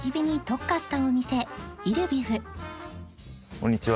こんにちは。